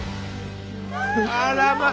あらまあ。